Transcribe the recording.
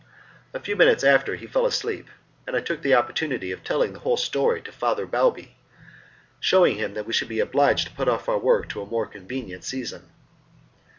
A few moments after he fell asleep, and I took the opportunity of telling the whole story to Father Balbi, shewing him that we should be obliged to put off our work to a more convenient season.